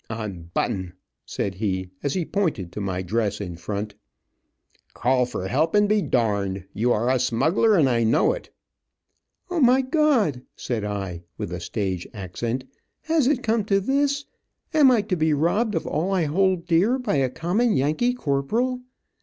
"Unbutton," said he as he pointed to my dress in front. "Call for help and be darned. You are a smuggler, and I know it." "O, my God," said I, with a stage accent, "has it come to this? Am I to be robbed of all I hold dear, by a common Yankee corporal.